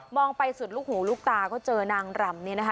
ไปสุดลูกหูลูกตาก็เจอนางรำเนี่ยนะคะ